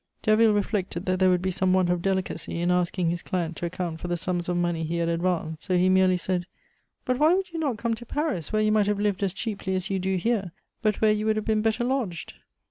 Derville reflected that there would be some want of delicacy in asking his client to account for the sums of money he had advanced, so he merely said: "But why would you not come to Paris, where you might have lived as cheaply as you do here, but where you would have been better lodged?"